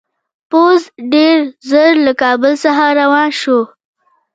پوځ ډېر ژر له کابل څخه روان شو.